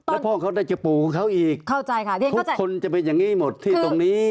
แล้วพ่อเขาได้จะปู่ของเขาอีกเข้าใจค่ะทุกคนจะเป็นอย่างนี้หมดที่ตรงนี้